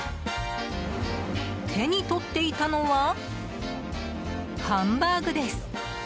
手に取っていたのはハンバーグです。